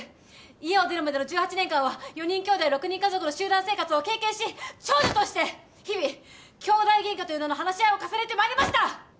家を出るまでの１８年間は４人姉弟６人家族の集団生活を経験し長女として日々姉弟げんかという名の話し合いを重ねてまいりました！